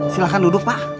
silahkan duduk pak